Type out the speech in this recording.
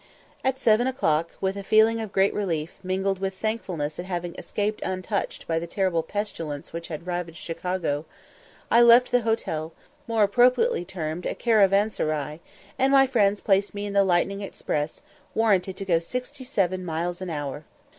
At seven o'clock, with a feeling of great relief, mingled with thankfulness at having escaped untouched by the terrible pestilence which had ravaged Chicago, I left the hotel, more appropriately termed a "caravanserai" and my friends placed me in the "Lightning Express," warranted to go sixty seven miles an hour.